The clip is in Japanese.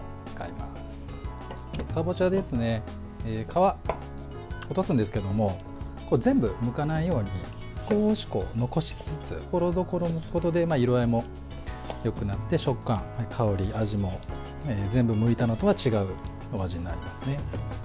皮、落とすんですけども全部むかないように少し残しつつところどころのほどで色合いもよくなって食感、香り、味も全部むいたのとは違うお味になりますね。